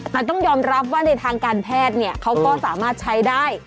แต่ต้องยอมรับว่าในทางการแพทย์เนี่ยเขาก็สามารถใช้ได้